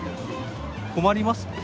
困ります？